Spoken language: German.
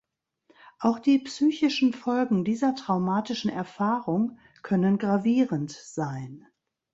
Auch die psychischen Folgen dieser traumatischen Erfahrung können gravierend sein.